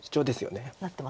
なってますか。